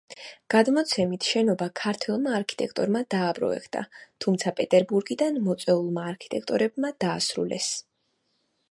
გადმოცემით, შენობა ქართველმა არქიტექტორმა დააპროექტა, თუმცა პეტერბურგიდან მოწვეულმა არქიტექტორებმა დაასრულეს.